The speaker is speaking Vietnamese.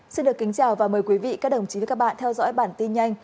xin được kính chào và mời quý vị các đồng chí với các bạn theo dõi bản tin nhanh